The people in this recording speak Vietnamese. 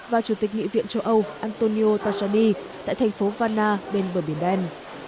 và chủ tịch nghị viện châu âu antonio tajani tại thành phố vanna bên bờ biển đen